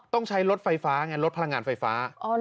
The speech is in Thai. ต้องใช้รถไฟฟ้าไงลดพลังงานไฟฟ้า